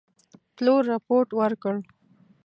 پلور رپوټ ورکړ.